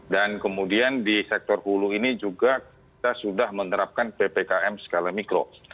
dan kemudian di sektor hulu ini juga kita sudah menerapkan ppkm skala mikro